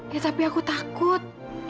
ya tapi aku takut